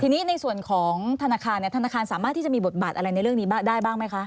ทีนี้ในส่วนของธนาคารเนี่ยธนาคารสามารถที่จะมีบทบาทอะไรในเรื่องนี้ได้บ้างไหมคะ